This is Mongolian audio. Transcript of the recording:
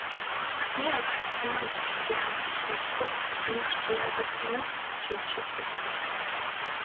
Гаднын агаарт байнгын солилцоо явагдаж байдаг бол тасалгааны орчинд агаар байнга шинэчлэгддэггүй.